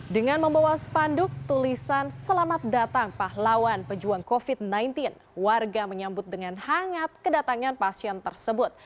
dengan membawa spanduk tulisan selamat datang pahlawan pejuang covid sembilan belas warga menyambut dengan hangat kedatangan pasien tersebut